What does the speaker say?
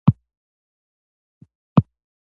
د خوست په اسماعیل خیل کې کرومایټ شته.